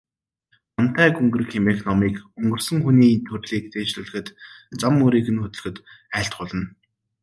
Вантай гүнгэрэг хэмээх номыг өнгөрсөн хүний төрлийг дээшлүүлэхэд, зам мөрийг нь хөтлөхөд айлтгуулна.